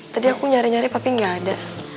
tadi aku nyari nyari papi gak ada